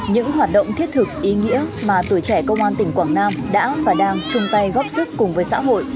những hoạt động thiết thực ý nghĩa mà tuổi trẻ công an tỉnh quảng nam đã và đang chung tay góp sức cùng với xã hội